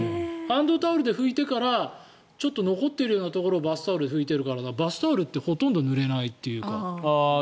ハンドタオルで拭いてからちょっと残っているところをバスタオルで拭いているからバスタオルってほとんどぬれないというか。